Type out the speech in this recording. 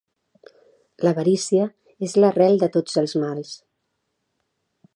L'avarícia és l'arrel de tots els mals.